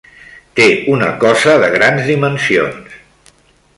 Té una cosa de grans dimensions.